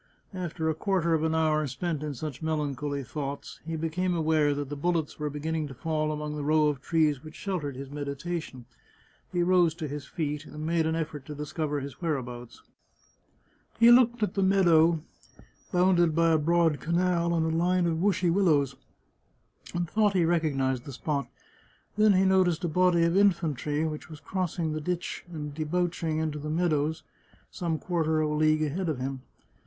After a quarter of an hour spent in such melancholy thoughts, he became aware that the bul lets were beginning to fall among the row of trees which sheltered his meditation. He rose to his feet, and made an effort to discover his whereabouts. He looked at the meadow, bounded by a broad canal and a line of bushy 50 The Chartreuse of Parma willows, and thought he recognised the spot. Then he noticed a body of infantry which was crossing the ditch and debouching into the meadows some quarter of a league ahead of him.